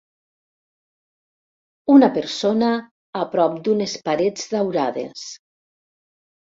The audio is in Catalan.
Una persona a prop d'unes parets daurades.